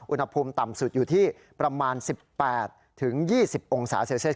อุณหภูมิต่ำสุดอยู่ที่ประมาณ๑๘๒๐องศาเซลเซียส